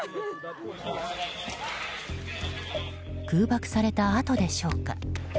空爆された跡でしょうか。